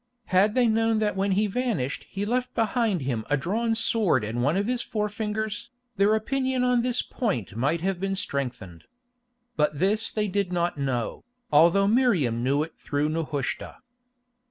Had they known that when he vanished he left behind him a drawn sword and one of his forefingers, their opinion on this point might have been strengthened. But this they did not know, although Miriam knew it through Nehushta.